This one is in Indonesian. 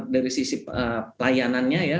dari sisi pelayanannya ya